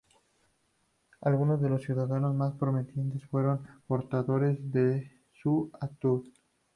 Algunos de los ciudadanos más prominentes fueron portadores de su ataúd.